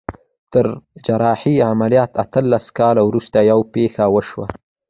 تر جراحي عمليات اتلس کاله وروسته يوه پېښه وشوه.